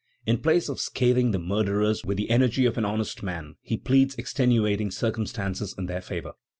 In place of scathing the murderers with the energy of an honest man, he pleads extenuating circumstances in their favor.